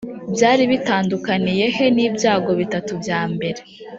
byari bitandukaniye he n ibyago bitatu bya mbere